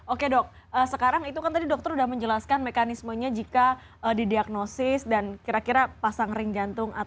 oke dok sekarang itu kan tadi dokter sudah menjelaskan mekanismenya jika didiagnosis dan kira kira pasang ring jantung